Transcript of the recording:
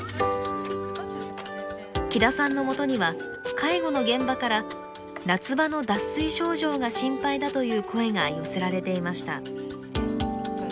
木田さんのもとには介護の現場から夏場の脱水症状が心配だという声が寄せられていました。